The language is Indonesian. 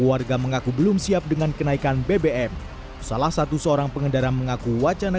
warga mengaku belum siap dengan kenaikan bbm salah satu seorang pengendara mengaku wacana